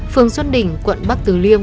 phường xuân đỉnh quận bắc từ liêm